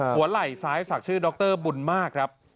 หัวไหลสายสักชื่อดรบุญมากครับ